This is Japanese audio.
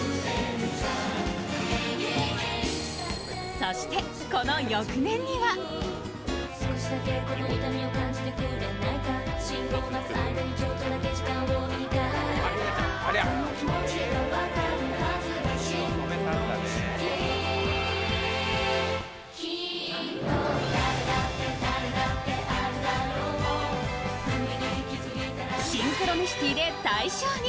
そして、この翌年には「シンクロニシティ」で大賞に。